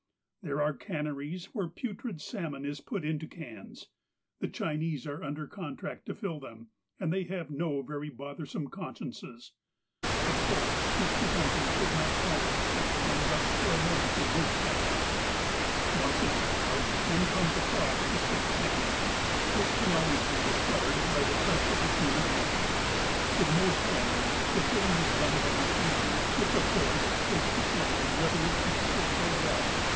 There are canneries where putrid salmon is put into cans. The Chinese are under contract to fill them, and they have no very bothersome consciences. Of course, Mr. Duncan could not tolerate such conduct for a mo ment in his cannery. Ouce in a while, one comes across a sick salmon. This can always be discovered by the touch of the human hand. In most canneries the filling is done by machinery, which of course takes the salmon, whether it be sick or well.